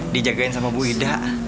dijagain sama bu ida